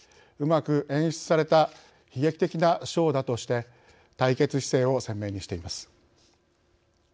うまく演出された悲劇的なショーだとして対決姿勢を鮮明にしています。